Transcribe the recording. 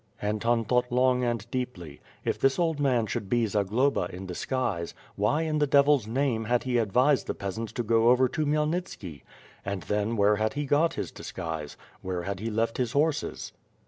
Anton thought long and deeply. If this old man should be Zagloba in disguise, why, in the devil's name, had he ad vised the peasants to go over to Khmyelnitski? And then, where had he got his disguise? Where had he left his horses?